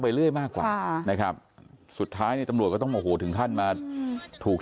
เรื่อยมากกว่านะครับสุดท้ายเนี่ยตำรวจก็ต้องโมโหถึงขั้นมาถูก